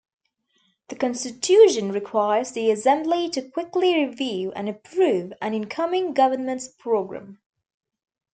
The constitution requires the assembly to quickly review and approve an incoming government's program.